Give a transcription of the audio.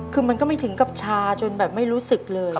คือมันก็ไม่ถึงกับชาจนแบบไม่รู้สึกเลย